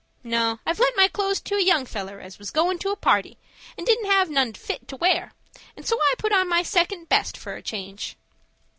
No, I've lent my clothes to a young feller as was goin' to a party, and didn't have none fit to wear, and so I put on my second best for a change."